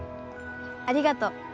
ありがとう。